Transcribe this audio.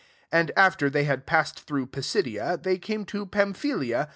24 And after they had passed through Pisidia, they came to Pamphylia.